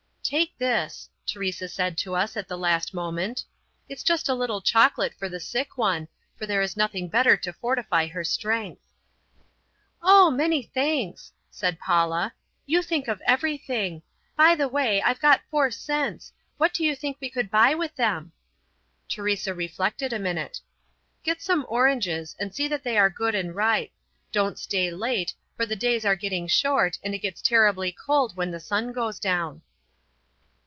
"Take this," Teresa said to us at the last moment. "It's just a little chocolate for the sick one, for there is nothing better to fortify her strength." "Oh, many thanks," said Paula. "You think of everything. By the way I've got four cents; what do you think we could buy with them?" Teresa reflected a minute. "Get some oranges, and see that they are good and ripe. Don't stay late, for the days are getting short, and it gets terribly cold when the sun goes down."